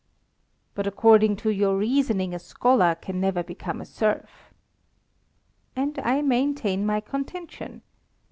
"But, according to your reasoning, a scholar can never become a serf." "And I maintain my contention.